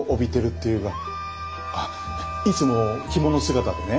あっいつも着物姿でね